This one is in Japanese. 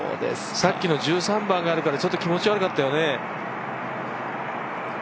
さっきの１３番があるからちょっと気持ち悪かったよね。